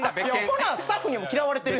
ほなスタッフにも嫌われてる。